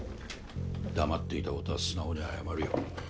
黙っていたことは素直に謝るよ。